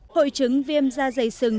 hội chứng viêm da dày sừng